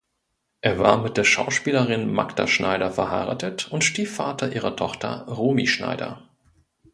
Er war mit der Schauspielerin Magda Schneider verheiratet und Stiefvater ihrer Tochter Romy Schneider.